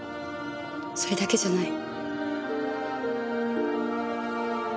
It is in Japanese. それだけじゃない。